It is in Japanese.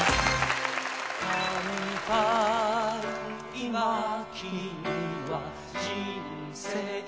今君は人生の」